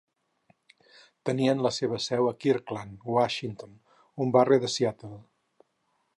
Tenien la seva seu a Kirkland, Washington, un barri de Seattle.